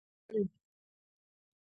متل